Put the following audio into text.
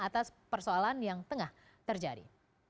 atas persoalan yang tengah terjadi